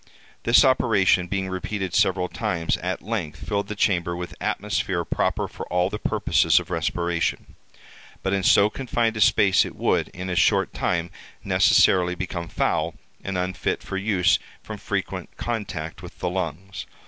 This operation being repeated several times, at length filled the chamber with atmosphere proper for all the purposes of respiration. But in so confined a space it would, in a short time, necessarily become foul, and unfit for use from frequent contact with the lungs.